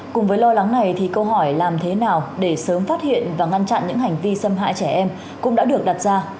cùng với lo lắng này thì câu hỏi làm thế nào để sớm phát hiện và ngăn chặn những hành vi xâm hại trẻ em cũng đã được đặt ra